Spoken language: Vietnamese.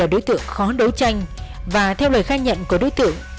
hắn là đối tượng khó đấu tranh và theo lời khai nhận của đối tượng